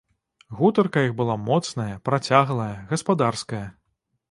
Гутарка іх была моцная, працяглая, гаспадарская.